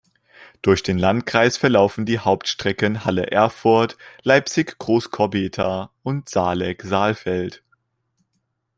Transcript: Durch den Landkreis verlaufen die Hauptstrecken Halle–Erfurt, Leipzig–Großkorbetha und Saaleck–Saalfeld.